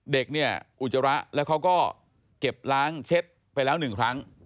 เด็กเนี่ยอุจจาระแล้วเขาก็เก็บล้างเช็ดไปแล้ว๑ครั้ง